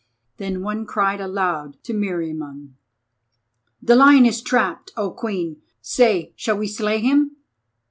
Then one cried aloud to Meriamun: "The Lion is trapped, O Queen! Say, shall we slay him?"